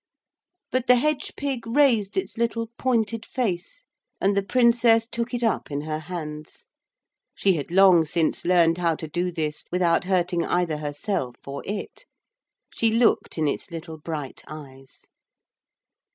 But the hedge pig raised its little pointed face, and the Princess took it up in her hands. She had long since learned how to do this without hurting either herself or it. She looked in its little bright eyes.